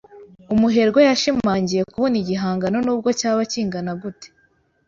Umuherwe yashimangiye kubona igihangano nubwo cyaba kingana gute.